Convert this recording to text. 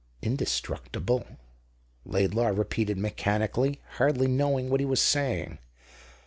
"Indestructible," Laidlaw repeated mechanically, hardly knowing what he was saying.